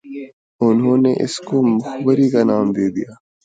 انہوں نے اس کو مخبری کا کام دے دیا